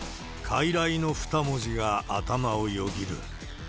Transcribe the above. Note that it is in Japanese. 傀儡の２文字が頭をよぎる。